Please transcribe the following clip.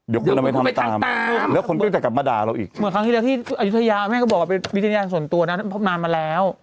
เดี๋ยวไปทำมาแล้วทางที่ที่อย่างส่วนตัวนะงั้นมาแล้ว